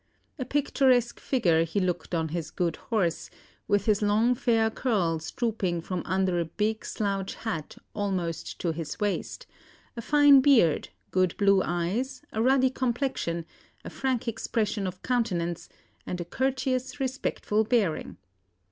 A picturesque figure he looked on his good horse, with his long fair curls drooping from under a big slouch hat almost to his waist; a fine beard, good blue eyes, a ruddy complexion, a frank expression of countenance, and a courteous, respectful bearing.